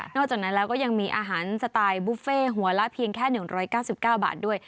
จากนั้นแล้วก็ยังมีอาหารสไตล์บุฟเฟ่หัวละเพียงแค่๑๙๙บาทด้วย